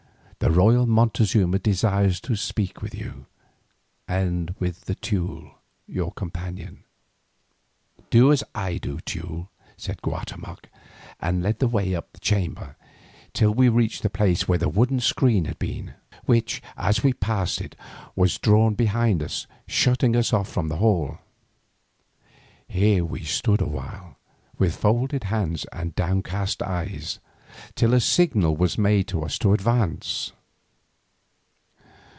"The royal Montezuma desires to speak with you, and with the Teule, your companion." "Do as I do, Teule," said Guatemoc, and led the way up the chamber, till we reached the place where the wooden screen had been, which, as we passed it, was drawn behind us, shutting us off from the hall. Here we stood a while, with folded hands and downcast eyes, till a signal was made to us to advance.